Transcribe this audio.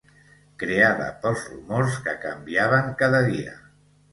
Creada pels rumors que canviaven cada dia